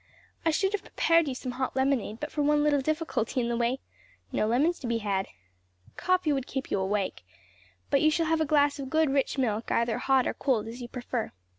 I should have prepared you some hot lemonade but for one little difficulty in the way; no lemons to be had. Coffee would keep you awake; but you shall have a glass of good rich milk; either hot or cold, as you prefer.